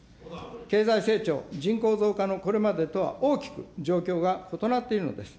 経済成長、人口増加のこれまでとは大きく状況が異なっているのです。